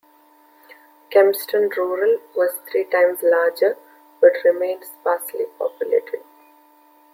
Kempston Rural was three times larger, but remained sparsely populated.